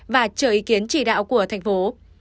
và chờ ý kiến chỉ đạo của thành phố